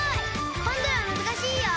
今度は難しいよ！